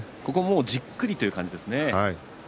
じっくりという感じですよね。